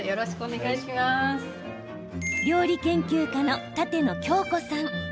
料理研究家の舘野鏡子さん。